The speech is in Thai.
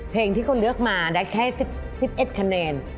เพลงที่เขาเลือกมาได้แค่๑๑คะแนน